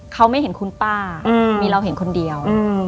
เขาไม่เห็นคุณป้ามีเราเห็นคนเดียว